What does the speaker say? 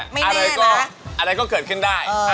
ไม่แน่อะไรก็เกิดขึ้นได้